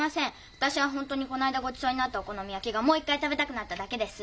私は本当にこの間ごちそうになったお好み焼きがもう一回食べたくなっただけです。